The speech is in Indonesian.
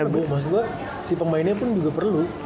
maksud gue si pemainnya pun juga perlu